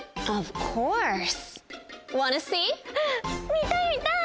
見たい見たい！